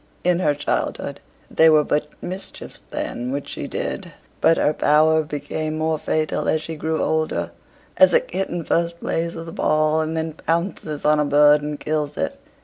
In her childhood, they were but mischiefs then which she did; but her power became more fatal as she grew older as a kitten first plays with a ball, and then pounces on a bird and kills it.